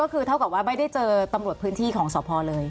ก็คือเท่ากับว่าไม่ได้เจอตำรวจพื้นที่ของสพเลย